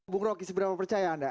bung roky seberapa percaya anda